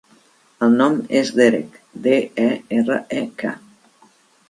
El nom és Derek: de, e, erra, e, ca.